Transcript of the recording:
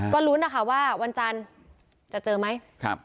ก็ลุ้นนะคะว่าวันจันทร์จะเจอไหม